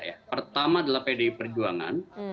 ya pertama adalah pdi perjuangan